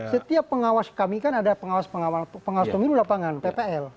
setiap pengawas kami kan ada pengawas pengawas pemilu lapangan ppl